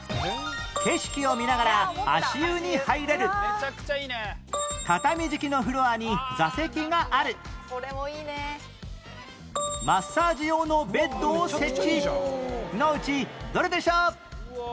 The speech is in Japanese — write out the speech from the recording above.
景色を見ながら足湯に入れる畳敷きのフロアに座席があるマッサージ用のベッドを設置のうちどれでしょう？